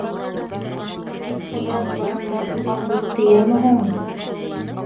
Тик Ҡыҙырас барында уға һүҙ тейәме һуң?